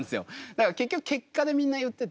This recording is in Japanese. だから結局結果でみんな言ってて。